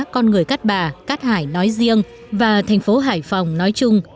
con người cát bà cát hải nói riêng và thành phố hải phòng nói chung